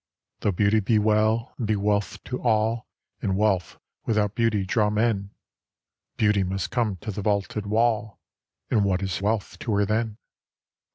"Though beauty be well and be wealth to all, And wealth without beauty draw men, Beauty must come to the vaulted wall, And what is wealth to her then?...